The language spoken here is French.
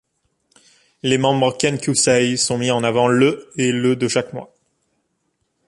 Les membres kenkyūsei sont mis en avant le et le de chaque mois.